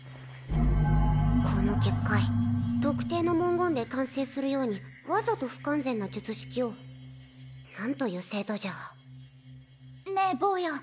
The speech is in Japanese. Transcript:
この結界特定の文言で完成するようにわざと不完全な術式を何という精度じゃねえ坊や